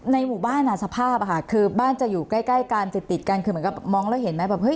ในหมู่บ้านสภาพคือบ้านจะอยู่ใกล้กันติดกันคือเหมือนกับมองแล้วเห็นไหมแบบเฮ